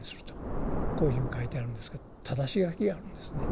こういうふうに書いてあるんですけどただし書きがあるんですね。